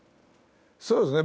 そうですね。